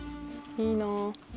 いいな。